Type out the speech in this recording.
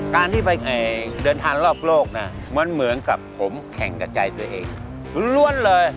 การที่ไปเดินทางรอบโลกนะมันเหมือนกับผมแข่งกับใจตัวเองล้วนเลย